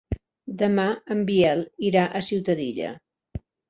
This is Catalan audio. Demà en Biel irà a Ciutadilla.